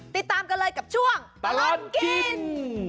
ติดตามกันเลยกับช่วงตลอดกิน